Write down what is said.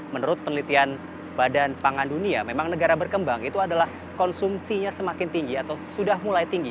menurut penelitian badan pangan dunia memang negara berkembang itu adalah konsumsinya semakin tinggi atau sudah mulai tinggi